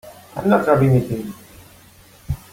I'm not rubbing it in.